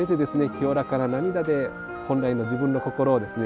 清らかな涙で本来の自分の心をですね